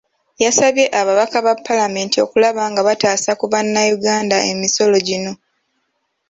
Yasabye ababaka ba Paalamenti okulaba nga bataasa ku bannayuganda emisolo gino.